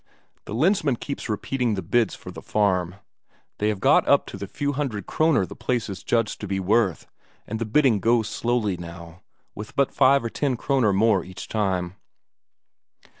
The Lensmand keeps repeating the bids for the farm; they have got up to the few hundred Kroner the place is judged to be worth, and the bidding goes slowly, now, with but five or ten Kroner more each time.